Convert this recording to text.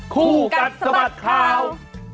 คู่กัดสะบัดข่าว